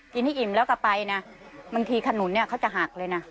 กินให้อิ่มแล้วก็ไปนะบางทีขนุนเนี่ยเขาจะหักเลยนะ